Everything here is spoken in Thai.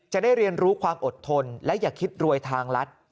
จะได้เรียนรู้ความอดทนและอย่าคิดรวยทางรัฐ